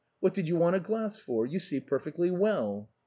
What did you want a glass for? You see per fectly well."